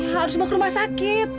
ya harus bawa ke rumah sakit